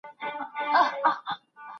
ما پرون د ماضي په اړه یوه مهمه خبره وموندله.